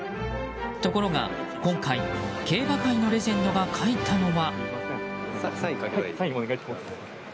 ところが今回、競馬界のレジェンドが書いたのは。